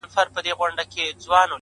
وه ه سم شاعر دي اموخته کړم.